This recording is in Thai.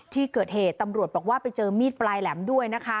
ที่เกิดเหตุตำรวจบอกว่าไปเจอมีดปลายแหลมด้วยนะคะ